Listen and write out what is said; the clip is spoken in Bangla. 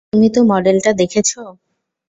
তুমি তো মডেলটা দেখেছ!